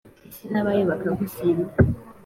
isi n'abayo bakagusenda